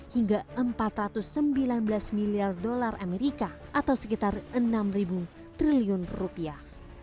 hingga empat ratus sembilan belas miliar dolar amerika atau sekitar enam triliun rupiah